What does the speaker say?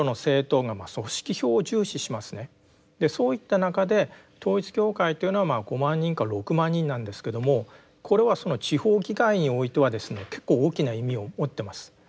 そういった中で統一教会というのは５万人か６万人なんですけどもこれはその地方議会においてはですね結構大きな意味を持ってます。